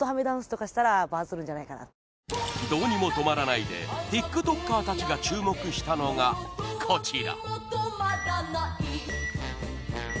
「どうにもとまらない」でティックトッカーたちが注目したのが、こちら